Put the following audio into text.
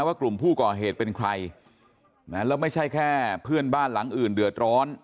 ว่ากลุ่มผู้ก่อเหตุเป็นใครนะแล้วไม่ใช่แค่เพื่อนบ้านหลังอื่นเดือดร้อน